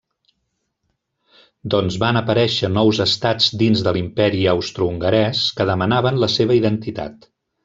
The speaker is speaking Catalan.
Doncs van aparèixer nous estats dins de l'Imperi Austrohongarès que demanaven la seva identitat.